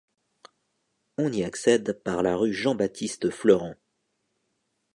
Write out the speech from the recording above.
On y accède par la rue Jean-Baptiste-Fleurent.